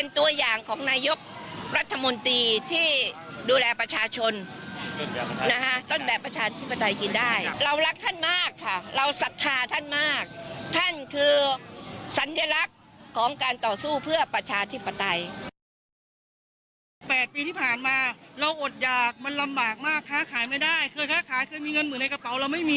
ตั้งแต่รัฐบาลทักษิณชินวัฒน์นะคะ